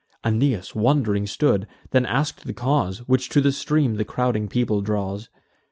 Aeneas wond'ring stood, then ask'd the cause Which to the stream the crowding people draws.